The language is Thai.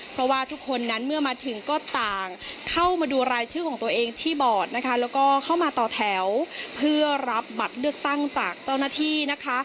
เพราะว่าทุกคนนั้นเมื่อมาถึงก็ต่างเข้ามาดูรายชื่อของตัวเองที่บอร์ดนะคะแล้วก็เข้ามาต่อแถวเพื่อรับบัตรเลือกตั้งจากเจ้าหน้าที่นะคะ